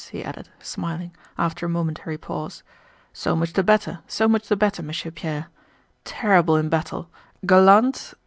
he added, smiling, after a momentary pause. "So much the better, so much the better, Monsieur Pierre! Terrible in battle... gallant...